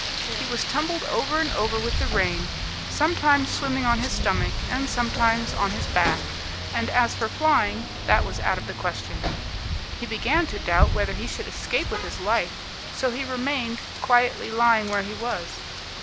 He was tumbled over and over with the rain, sometimes swimming on his stomach and sometimes on his back; and as for flying, that was out of the question. He began to doubt whether he should escape with his life, so he remained, quietly lying where he was.